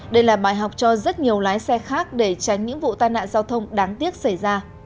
đây là bài học cho rất nhiều lái xe khác để tránh những vụ tai nạn giao thông đáng tiếc xảy ra